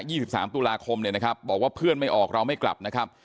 สิบสามตุลาคมเนี่ยนะครับบอกว่าเพื่อนไม่ออกเราไม่กลับนะครับ